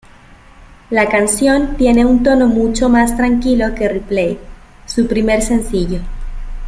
La canción tiene un tono mucho más tranquilo que Replay, su primer sencillo.